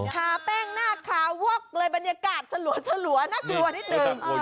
แป้งหน้าขาวอกเลยบรรยากาศสลัวน่ากลัวนิดนึง